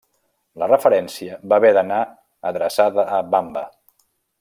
La referència va haver d'anar adreçada a Vamba.